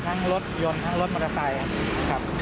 ทั้งรถยนต์ทั้งรถมอเตอร์ไซค์ครับ